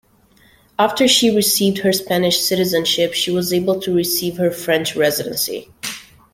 After she received her Spanish citizenship she was able to receive her French residency.